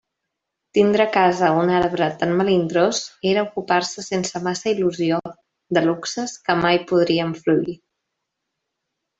Tindre a casa un arbre tan melindrós era ocupar-se sense massa il·lusió de luxes que mai podríem fruir.